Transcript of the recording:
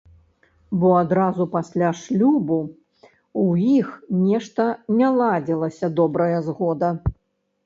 Бо адразу пасля шлюбу ў іх нешта не ладзілася добрая згода.